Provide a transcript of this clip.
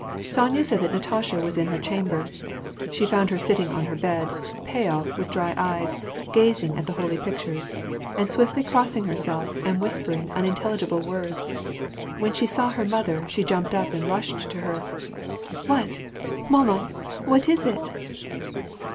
Sonya said that Na tasha was in her chamber. She found her sitting on her bed, pale, with dry eyes, gazing at the holy pictures ; and swiftly crossing herself, and whispering unintelligible words. When she saw her mother, she jumped up and rushed to her. '' What ? Mamma ? What is it